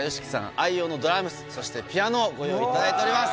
愛用のドラムスそしてピアノをご用意いただいております